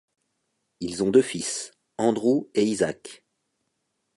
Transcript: Ils ont deux fils, Andrew et Isaac.